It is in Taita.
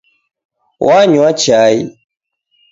Wanywa chai.